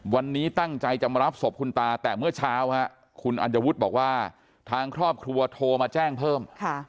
วันนี้ตั้งใจจะมารับศพคุณตาแต่เมื่อเช้าคุณอัญวุฒิบอกว่าทางครอบครัวโทรมาแจ้งเพิ่ม